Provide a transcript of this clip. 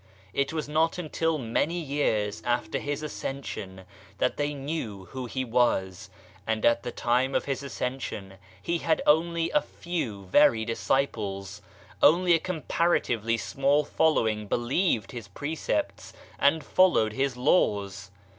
It was not until many years after His ascension that they knew who He was, and at the time of His ascension He had only a few very disciples ; only a comparatively small following believed His precepts and followed His laws.